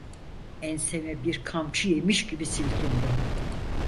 Enseme bir kamçı yemiş gibi silkindim.